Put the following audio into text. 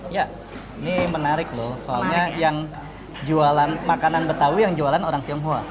ya ini menarik loh soalnya yang jualan makanan betawi yang jualan orang tionghoa